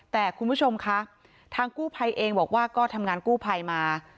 แต่คุณผู้ชมคะทางกู้ภัยเองบอกว่าก็ทำงานกู้ภัยมา